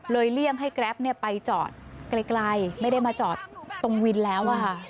เลี่ยงให้แกรปไปจอดไกลไม่ได้มาจอดตรงวินแล้วค่ะ